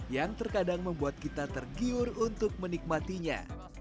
yang terkadang membuat kita tergiur untuk menikmatinya